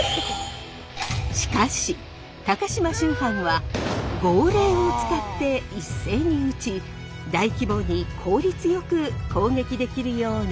しかし高島秋帆は号令を使って一斉に撃ち大規模に効率よく攻撃できるようにしたのです。